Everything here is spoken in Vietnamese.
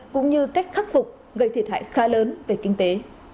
cũng như cách khắc phục gây thiệt hại khá lớn về kinh tế